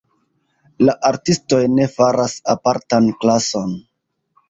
La artistoj ne faras apartan klason.